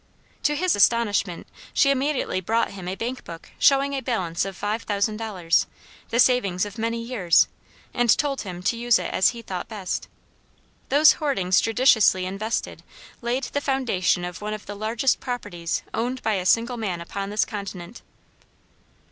To his astonishment she immediately brought him a bank book showing a balance of five thousand dollars, the savings of many years, and told him to use it as he thought best. Those hoardings judiciously invested laid the foundation of one of the largest properties owned by a single man upon this continent.